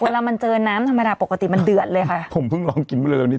เวลามันเจอน้ำธรรมดาปกติมันเดือดเลยค่ะผมเพิ่งลองกินเมื่อเร็วนี้